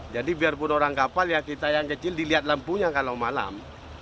jadi biarpun orang kapal kita yang kecil dilihat lampunya kalau malam